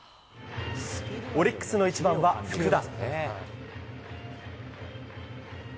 オリックスの１番は福田。